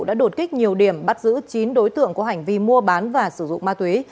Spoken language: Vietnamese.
đã đột kích nhiều điểm bắt giữ chín đối tượng có hành vi mua bán và sử dụng ma túy